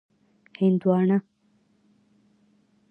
🍉 هندوانه